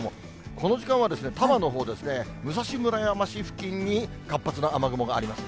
この時間は多摩のほうですね、武蔵村山市付近に活発な雨雲があります。